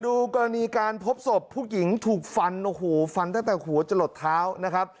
ดูกรณีการพบศพผู้หญิงถูกฟันฝันตั้งแต่หัวจะหลดเท้า